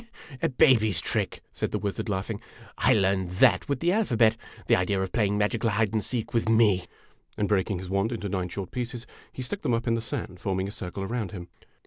"A baby's trick!'' said the wizard, laughing. "I learned that with the alphabet. The idea of playing magical hide and seek with me !" and breaking his wand into nine short pieces, he stuck them up in the sand, forming a circle around him.